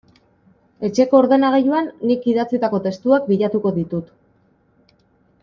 Etxeko ordenagailuan nik idatzitako testuak bilatuko ditut.